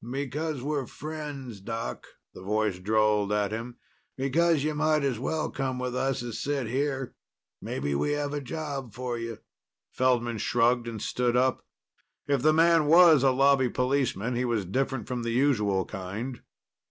"Because we're friends, Doc," the voice drawled at him. "Because you might as well come with us as sit here. Maybe we have a job for you." Feldman shrugged and stood up. If the man was a Lobby policeman, he was different from the usual kind.